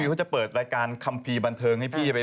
เขาจะเปิดรายการคัมภีร์บันเทิงให้พี่ไป